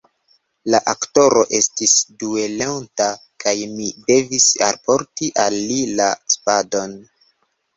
La aktoro estis duelonta, kaj mi devis alporti al li la spadon.